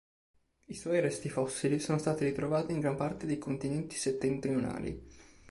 I suoi resti fossili sono stati ritrovati in gran parte dei continenti settentrionali.